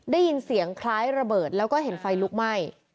ได้ยินเสียงคล้ายระเบิดแล้วก็เห็นไฟลุกไหม้